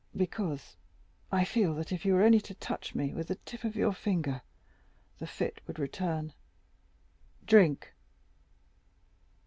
"Because I feel that if you were only to touch me with the tip of your finger the fit would return." "Drink."